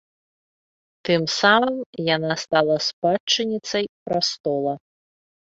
Тым самым яна стала спадчынніцай прастола.